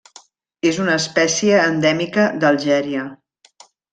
És una espècie endèmica d'Algèria.